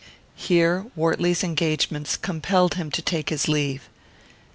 Here Wortley's engagements compelled him to take his leave.